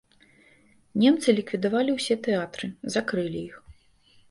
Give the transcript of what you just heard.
Немцы ліквідавалі ўсе тэатры, закрылі іх.